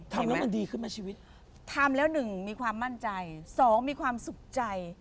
ทำแล้วมันดีขึ้นมาชีวิตทำแล้วหนึ่งมีความมั่นใจสองมีความสุขใจ